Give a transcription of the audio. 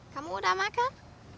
kamu udah makan